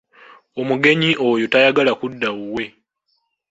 Omugenyi oyo tayagala kudda wuwe.